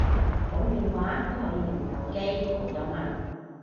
冇電話都可以用手機，好幽默